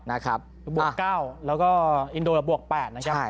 ลูกดะบวกเก้าแล้วก็อินโดวีด้าบวกแปดนะครับใช่